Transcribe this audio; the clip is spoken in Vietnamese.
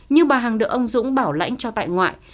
nhưng bà hằng được ông dũng bảo lãnh cho tại ngoại